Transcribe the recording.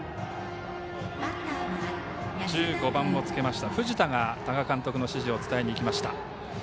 １５番をつけた藤田が多賀監督の指示を伝えにいきました。